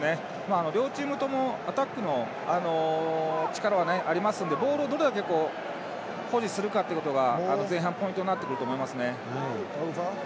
両チームともアタックの力はありますのでボールをどれだけ保持するかということが前半、ポイントになってくると思いますね。